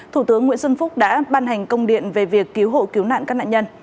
thủ tướng nguyễn xuân phúc đã ban hành công điện về việc cứu hộ cứu nạn các nạn nhân